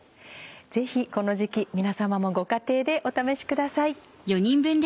ぜひこの時期皆様もご家庭でお試しください。